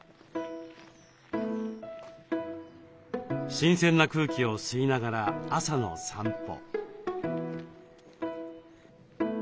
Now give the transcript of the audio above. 新鮮な空気を吸いながら朝の散歩。